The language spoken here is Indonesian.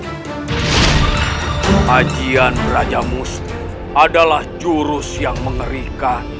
hajian beraja musti adalah jurus yang mengerikan